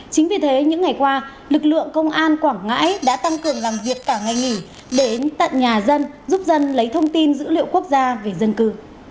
chính vì thế những ngày qua lực lượng công an quảng ngãi đã tăng cường làm việc cả ngày nghỉ đến tận nhà dân giúp dân lấy thông tin dữ liệu quốc gia về dân cư